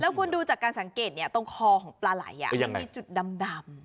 คุณดูจากการสังเกตตรงคอของปลาไหล่มันมีจุดดำ